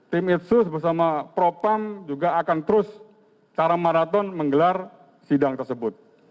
tim itsus bersama propam juga akan terus secara maraton menggelar sidang tersebut